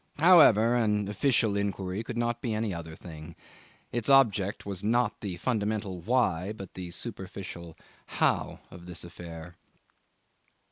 However, an official inquiry could not be any other thing. Its object was not the fundamental why, but the superficial how, of this affair.